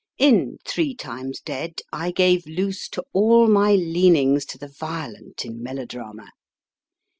In Three Times Dead I gave loose to all my leanings to the violent in melo drama.